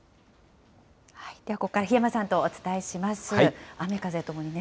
ではここから檜山さんとお伝えします。